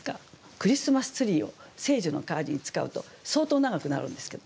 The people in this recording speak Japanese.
「クリスマスツリー」を「聖樹」の代わりに使うと相当長くなるんですけど。